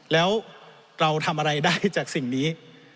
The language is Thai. แล้วเราทำอะไรได้จากสิ่งนี้